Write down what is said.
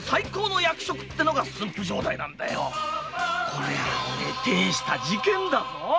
こりゃてえした事件だぞ。